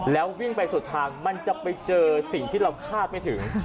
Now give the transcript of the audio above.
แล้ววิ่งไปสุดทางมันจะไปเจอสิ่งที่เราคาดไม่ถึง